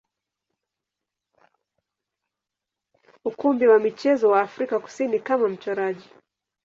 ukumbi wa michezo wa Afrika Kusini kama mchoraji.